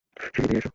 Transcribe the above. সিড়ি দিয়ে এসো।